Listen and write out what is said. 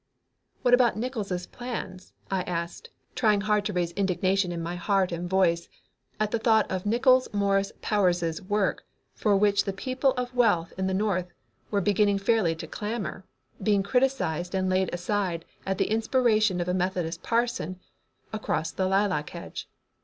"What about Nickols' plans?" I asked, trying hard to raise indignation in my heart and voice at the thought of Nickols Morris Powers' work, for which the people of wealth in the North were beginning fairly to clamor, being criticized and laid aside at the inspiration of the Methodist parson across the lilac hedge.